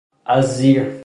از زیر